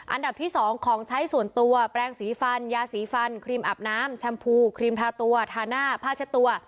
อันดับที่๒ของใช้ส่วนตัวแปลงสีฟันยาสีฟันครีมอาบน้ำแชมพูครีมทาตัวทาหน้าผ้าเช็ดตัว